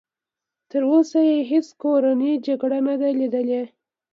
تر اوسه یې هېڅ کورنۍ جګړه نه ده لیدلې.